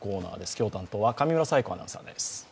今日担当は上村彩子アナウンサーです。